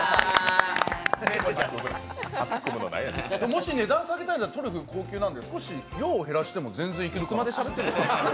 もし値段下げたいなら、トリュフ高級なんで少し量を減らしても、全然いけるかなと。